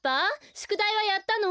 しゅくだいはやったの？